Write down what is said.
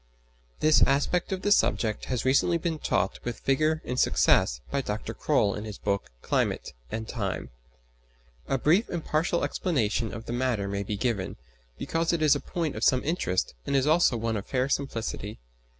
This aspect of the subject has recently been taught with vigour and success by Dr. Croll in his book "Climate and Time." A brief and partial explanation of the matter may be given, because it is a point of some interest and is also one of fair simplicity.